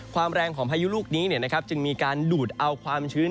แรงของพายุลูกนี้จึงมีการดูดเอาความชื้น